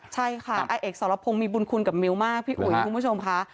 ใช่ค่ะอาเอกสรพงศ์มีบุญคุณกับมิวมากพี่อุ๋ยคุณผู้ชมค่ะ